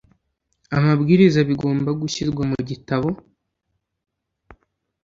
amabwiriza bigomba gushyirwa mu gitabo